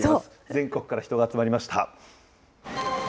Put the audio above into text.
全国から人が集まりました。